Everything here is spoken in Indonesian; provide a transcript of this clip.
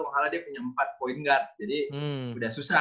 makanya dia punya empat point guard jadi udah susah